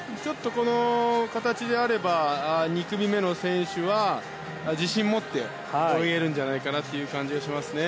この形であれば２組目の選手は自信を持って泳げるんじゃないかなと思いますね。